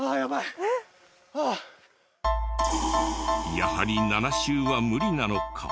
やはり７周は無理なのか？